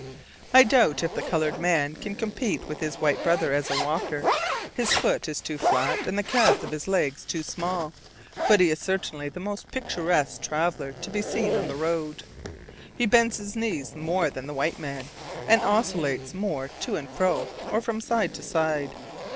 I doubt if the colored man can compete with his white brother as a walker; his foot is too flat and the calves of his legs too small, but he is certainly the most picturesque traveler to be seen on the road. He bends his knees more than the white man, and oscillates more to and fro, or from side to side.